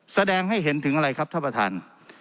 แสดงให้เห็นถึงอะไรครับท่านประธาน